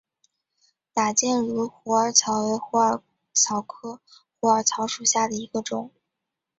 打箭炉虎耳草为虎耳草科虎耳草属下的一个种。